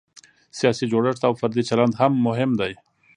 سیاسي جوړښت او فردي چلند هم مهم دی.